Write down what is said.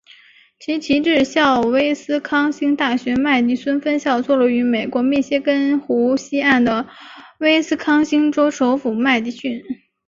其旗帜校威斯康星大学麦迪逊分校坐落于美国密歇根湖西岸的威斯康星州首府麦迪逊市。